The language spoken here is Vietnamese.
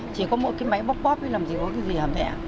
chỉ có mỗi cái máy bóp bóp ấy làm gì có cái gì hả mẹ